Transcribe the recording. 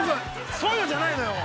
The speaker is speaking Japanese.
そういうのじゃないのよ。